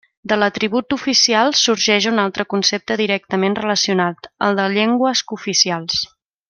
De l'atribut oficial sorgeix un altre concepte directament relacionat, el de llengües cooficials.